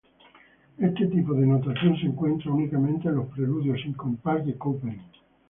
Este tipo de notación se encuentra únicamente en los preludios sin compás de Couperin.